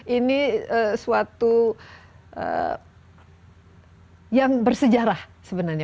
ini suatu yang bersejarah sebenarnya